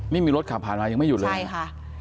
นี่มีรถขับผ่านมายังไม่หยุดเลยใช่ค่ะ